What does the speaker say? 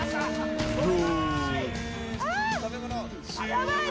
やばい！